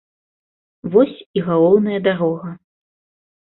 Вось і галоўная дарога.